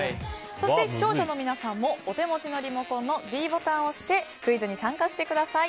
そして視聴者の皆さんもお手持ちのリモコンのｄボタンを押してクイズに参加してください。